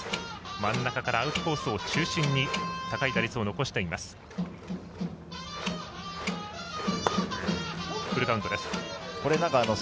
真ん中からアウトコースを中心に高い打率を残しています。